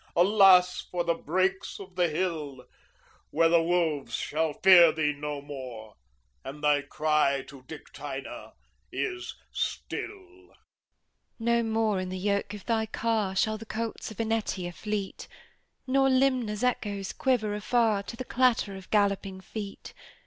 Alas for the brakes of the hill, Where the wolves shall fear thee no more, And thy cry to Dictynna is still! Women No more in the yoke of thy car Shall the colts of Enetia fleet; Nor Limna's echoes quiver afar To the clatter of galloping feet.